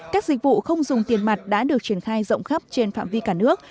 các dịch vụ không dùng tiền mặt đã được triển khai rộng khắp trên phạm vi cả nước